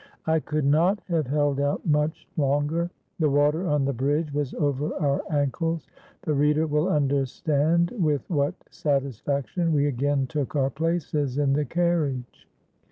I could not have held out much longer; the water on the bridge was over our ankles. The reader will understand with what satisfaction we again took our places in the carriage.